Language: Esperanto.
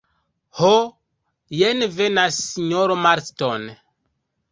Ho, jen venas sinjoro Marston.